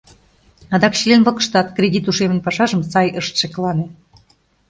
Адак член-влакыштат кредит ушемын пашажым сай ышт шеклане.